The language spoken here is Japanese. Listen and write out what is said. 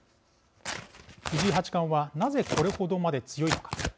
藤井八冠はなぜこれ程まで強いのか。